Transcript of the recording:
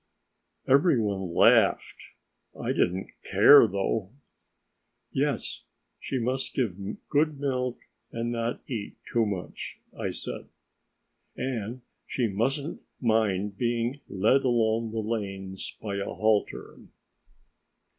Every one laughed. I didn't care, though. "Yes, she must give good milk and not eat too much," I said. "And she mustn't mind being led along the lanes by a halter."